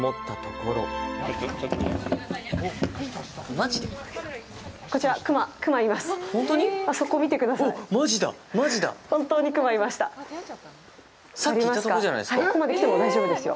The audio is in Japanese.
ここまで来ても大丈夫ですよ。